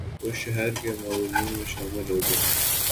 وہ شہر کے معززین میں شامل ہو گیا